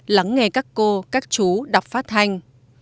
lắng nghe các cô các chú đọc phát thanh